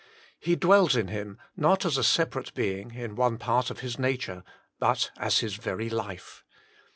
He dwells in him, not as a separate Being in one part of his nature, but as his very life.